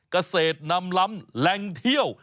เกษตรนำล้ำแรงเที่ยว